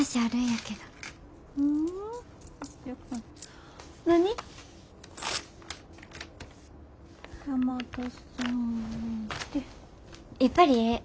やっぱりええ。